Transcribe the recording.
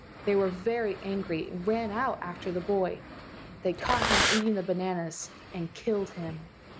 They were very angry, and ran out after the boy. They caught him eating the bananas, and killed him.